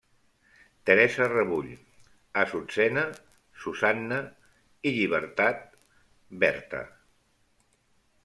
Teresa Rebull, Assutzena –Susanna– i Llibertat –Berta–.